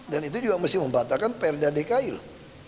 dan itu juga mesti membatalkan pernah dki loh